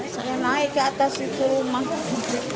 saya naik ke atas itu mah